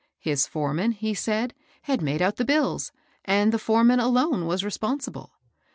His foreman, he saidy had made out the bills, and the foreman alone was re sponsible.